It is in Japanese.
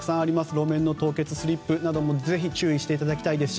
路面凍結、スリップなどにぜひ注意していただきたいですし